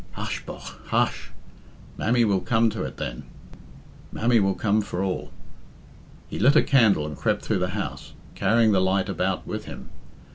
"Hush, bogh, hush! Mammie will come to it, then. Mammie will come for all." He lit a candle and crept through the house, carrying the light about with him.